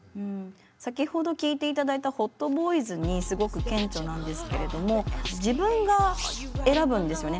先ほど聴いていただいた「ＨｏｔＢｏｙｚ」にすごく顕著なんですけれども自分が選ぶんですよね。